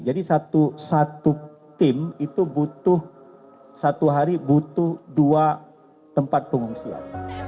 jadi satu tim itu butuh satu hari butuh dua tempat pengungsian